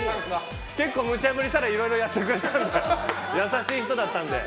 結構むちゃ振りしたらいろいろやってくれて優しい人だったので。